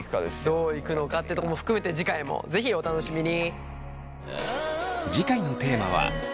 どういくのかってとこも含めて次回も是非お楽しみに！